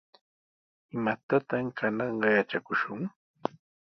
¿Imatataq kananqa yatrakushun?